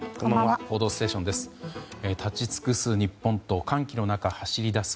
「報道ステーション」です。